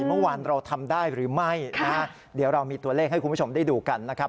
เมื่อวานเราทำได้หรือไม่นะเดี๋ยวเรามีตัวเลขให้คุณผู้ชมได้ดูกันนะครับ